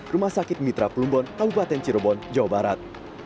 rumah sakit mitra plumbon kabupaten cirebon jawa barat